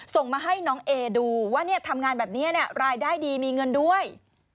ส่งมาให้น้องเอดูว่าทำงานแบบนี้รายได้ดีมีเงินด้วย